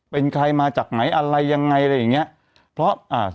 เป็นใครมาจากไหนอะไรยังไงอะไรอย่างเงี้ยเพราะอ่า